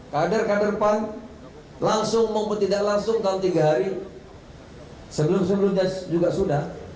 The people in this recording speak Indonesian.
kader kader pan langsung maupun tidak langsung dalam tiga hari sebelum sebelumnya juga sudah